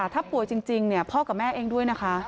ถ้าป่วยจริงพ่อกับแม่เองด้วยนะคะ